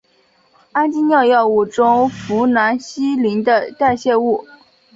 氨基脲药物中呋喃西林的代谢物。